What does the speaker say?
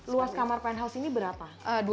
luas kamar penthouse ini berapa